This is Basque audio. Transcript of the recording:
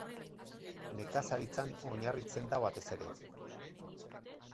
Nekazaritzan oinarritzen da batez ere.